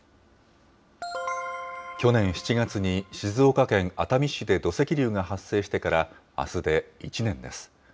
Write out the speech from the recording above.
去年７月に、静岡県熱海市で土石流が発生してからあすで１年です。